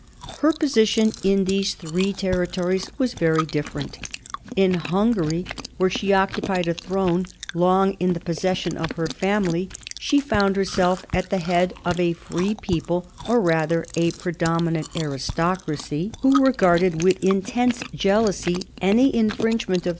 Her position in these three territories was very different. In Hungary, where she occupied a throne long in the possession of her family, she found herself at the head of a free people, or rather a predominant aristocracy, who regarded with intense jealousy any infringement of.